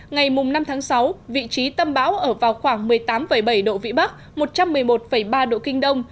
ngày năm tháng sáu vị trí tâm bão ở vào khoảng một mươi tám bảy độ vĩ bắc một trăm một mươi một ba độ kinh đông